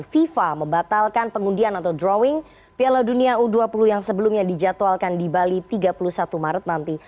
fifa membatalkan pengundian atau drawing piala dunia u dua puluh yang sebelumnya dijadwalkan di bali tiga puluh satu maret nanti